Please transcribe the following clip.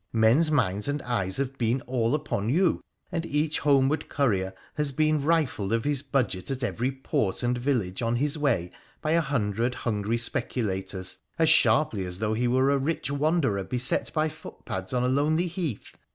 Men's minds and eyes have been all upon you, and each homeward courier has been rifled of his budget at every port and village on his way by a hundred hungry speculators, as sharply as though he were a rich wanderer beset by footpads on a lonely heath.